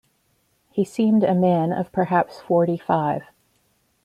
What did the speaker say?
He seemed a man of perhaps forty-five.